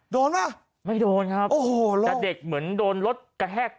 โดนไหมโอ้โหล้อมไม่โดนครับแต่เด็กเหมือนโดนรถกระแฮก